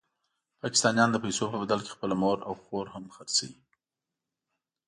پاکستانیان د پیسو په بدل کې خپله مور او خور هم خرڅوي.